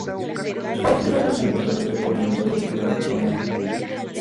Fue el primer lanzamiento del grupo con un sello discográfico grande.